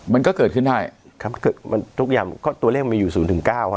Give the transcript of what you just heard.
มันก็เกิดขึ้นได้ครับมันเกิดมันทุกอย่างก็ตัวเลขมันอยู่๐๙ครับ